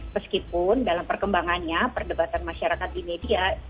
meskipun dalam perkembangannya perdebatan masyarakat di media